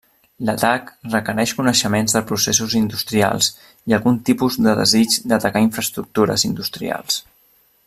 L'atac requereix coneixements de processos industrials i algun tipus de desig d'atacar infraestructures industrials.